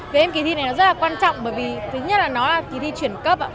về em kỳ thi này nó rất là quan trọng bởi vì thứ nhất là nó là kỳ thi chuyển cấp